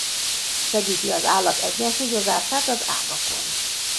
Segíti az állat egyensúlyozását az ágakon.